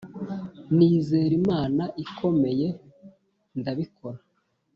nizera imana ikomeye, ndabikora,